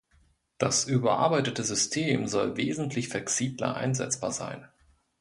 Das überarbeitete System soll wesentlich flexibler einsetzbar sein.